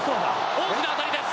大きな当たりです。